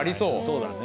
そうだね。